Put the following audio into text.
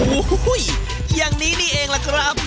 โอ้โหอย่างนี้นี่เองล่ะครับ